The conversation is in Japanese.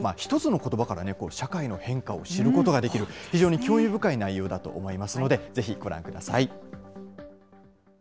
一つのことばからね、社会の変化を知ることができる、非常に興味深い内容だと思いますので、ぜひ、ご覧ください。